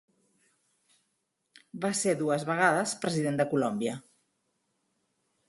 Va ser dues vegades President de Colòmbia.